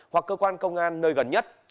hoặc cơ quan công an nơi gần nhất